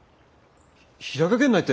ひ平賀源内って？